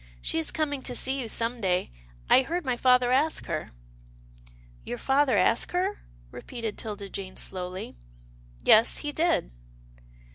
She is coming to see you some day. I heard my father ask her." " Your father ask her ?" repeated 'Tilda Jane slowly. " Yes, he did."